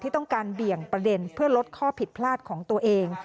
ต้องการเบี่ยงประเด็นเพื่อลดข้อผิดพลาดของตัวเอง